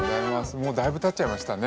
もうだいぶたっちゃいましたね。